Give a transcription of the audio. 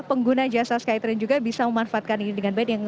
pengguna jasa skytrain juga bisa memanfaatkan ini dengan baik